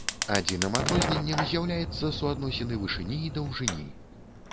Адзіным адрозненнем з'яўляецца суадносіны вышыні і даўжыні.